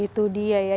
itu dia ya